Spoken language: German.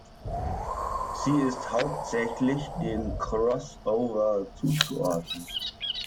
Sie ist hauptsächlich dem Crossover zuzuordnen.